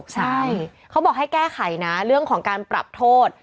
ใช่เขาบอกให้แก้ไขนะเรื่องของการปรับโทษ